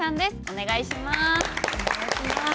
お願いします。